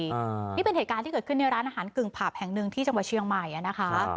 นี่เป็นเหตุการณ์ที่เกิดขึ้นในร้านอาหารกึ่งผับแห่งหนึ่งที่จังหวัดเชียงใหม่อ่ะนะคะ